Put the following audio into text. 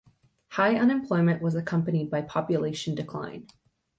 High unemployment was accompanied by population decline.